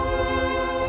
aku jadi bingung